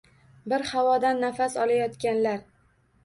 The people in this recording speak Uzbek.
Bir havodan nafas olayotganlar.